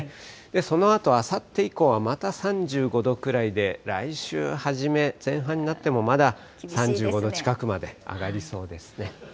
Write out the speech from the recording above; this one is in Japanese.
そのあとあさって以降は、また３５度くらいで、来週初め、前半になってもまだ３５度近くまで上がりそうですね。